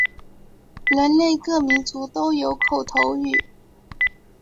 人类各民族都有口头语。